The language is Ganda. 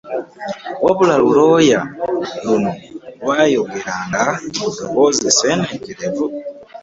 Wabula lulooya luno lwayogeranga mu ddoboozi esseeneekerevu.